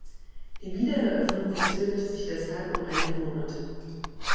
Die Wiedereröffnung verzögerte sich deshalb um einige Monate.